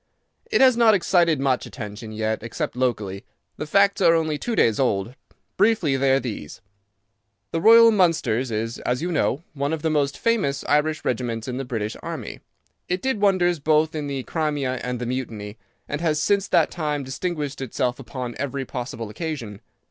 "It has not excited much attention yet, except locally. The facts are only two days old. Briefly they are these: "The Royal Mallows is, as you know, one of the most famous Irish regiments in the British army. It did wonders both in the Crimea and the Mutiny, and has since that time distinguished itself upon every possible occasion.